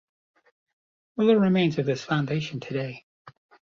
Little remains of this foundation today.